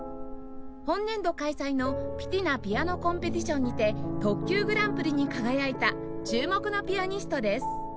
本年度開催のピティナ・ピアノコンペティションにて特級グランプリに輝いた注目のピアニストです